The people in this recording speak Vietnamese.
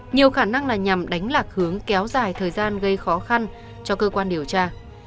nhiều khả năng là nhằm đánh lạc hướng kéo dài thời gian gây khó khăn cho cơ quan điều tra